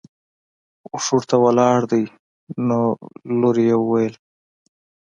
اوښ ورته ولاړ دی نو لور یې وویل.